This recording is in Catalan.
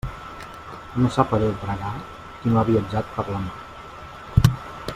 No sap a Déu pregar qui no ha viatjat per la mar.